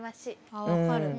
あ分かる。